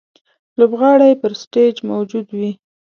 لوبغاړی پر سټېج موجود وي.